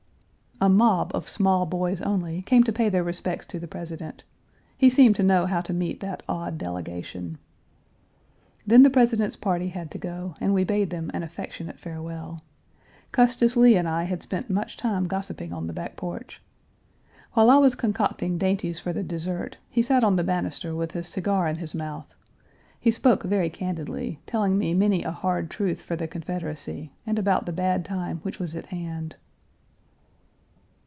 A mob of small boys only came to pay their respects to the President. He seemed to know how to meet that odd delegation. Then the President's party had to go, and we bade them an affectionate farewell. Custis Lee and I had spent much time gossiping on the back porch. While I was concocting dainties for the dessert, he sat on the banister with a cigar in his mouth. He spoke very candidly, telling me many a hard truth for the Confederacy, and about the bad time which was at hand.